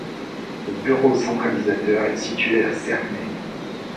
Le bureau centralisateur est situé à Cernay.